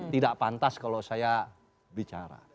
tidak pantas kalau saya bicara